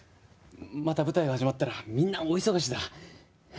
また舞台が始まったらみんな大忙しだ。